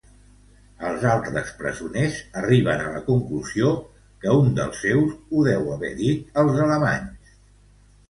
Els altres presoners arriben a la conclusió que un dels seus ho deu haver dit als alemanys.